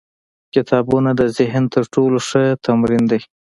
کتابونه د ذهن تر ټولو ښه تمرین دی.